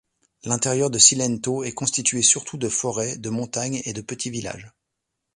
L'intérieur de Cilento est constitué surtout de forêts, de montagnes et de petits villages.